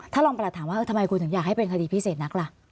รองประหลัดถามว่าทำไมคุณถึงอยากให้เป็นคดีพิเศษนักล่ะ